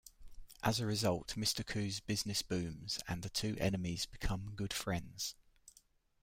As a result, Mr. Khoo's business booms, and the two enemies become good friends.